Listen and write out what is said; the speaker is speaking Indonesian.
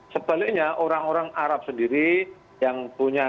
sebaliknya orang orang arab sendiri yang punya